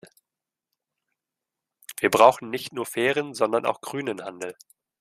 Wir brauchen nicht nur "fairen" sondern auch "grünen" Handel.